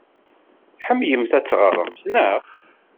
Tḥemmlemt ad teɣremt, naɣ?